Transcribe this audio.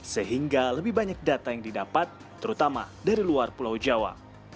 sehingga lebih banyak data yang didapat terutama dari luar pulau jawa